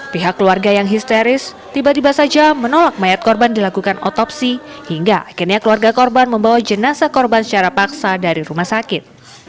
pihak keluarga yang histeris tiba tiba saja menolak mayat korban dilakukan otopsi hingga akhirnya keluarga korban membawa jenazah korban secara paksa dari rumah sakit